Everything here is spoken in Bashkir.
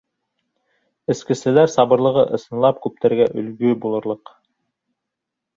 Эскеселәр Сабырлығы ысынлап күптәргә өлгө булырлыҡ.